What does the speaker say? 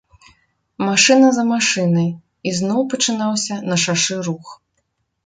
Машына за машынай, і зноў пачынаўся на шашы рух.